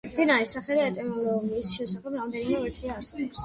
მდინარის სახელის ეტიმოლოგიის შესახებ რამდენიმე ვერსია არსებობს.